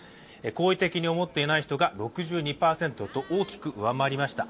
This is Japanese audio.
好意的に思っていない人が６５％と大きく上回りました。